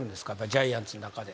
ジャイアンツの中で。